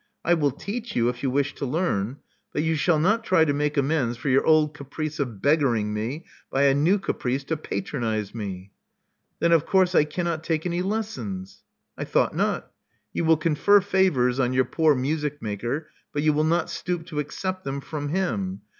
I will teach you, if you wish to learn; but you shall not try to make amends for your old caprice of beggar ing me, by a new caprice to patronize me." Then of course I cannot take any lessons." I thought not. You will confer favors on your poor music maker; but you will not stoop to accept them from him.